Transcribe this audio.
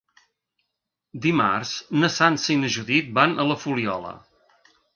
Dimarts na Sança i na Judit van a la Fuliola.